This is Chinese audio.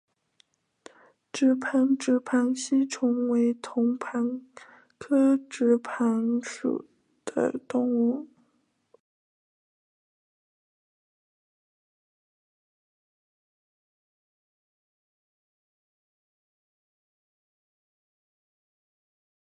一切都像是重新开始